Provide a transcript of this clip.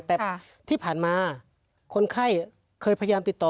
แต่ที่ผ่านมาคนไข้เคยพยายามติดต่อ